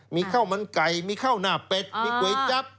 มีข้าวมันไก่มีข้าวหน้าเป็ดมีก๋วยจั๊บ